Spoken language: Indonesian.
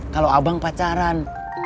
kalau abang pacaran